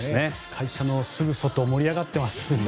会社のすぐ外盛り上がってます。